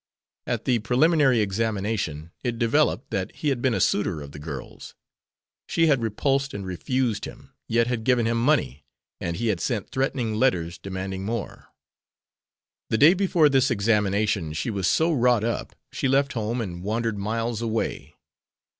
At the preliminary examination, it developed that he had been a suitor of the girl's. She had repulsed and refused him, yet had given him money, and he had sent threatening letters demanding more. The day before this examination she was so wrought up, she left home and wandered miles away.